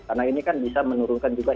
karena ini kan bisa menurunkan juga